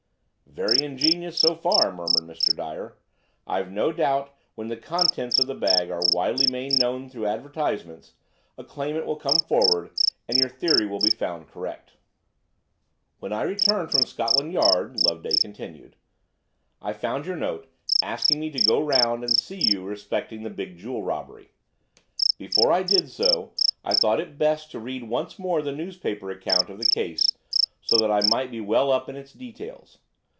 "Very ingenious, so far," murmured Mr. Dyer: "I've no doubt when the contents of the bag are widely made known through advertisements a claimant will come forward, and your theory be found correct." "When I returned from Scotland Yard," Loveday continued, "I found your note, asking me to go round and see you respecting the big jewel robbery. Before I did so I thought it best to read once more the newspaper account of the case, so that I might be well up in its details.